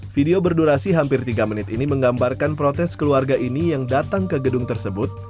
video berdurasi hampir tiga menit ini menggambarkan protes keluarga ini yang datang ke gedung tersebut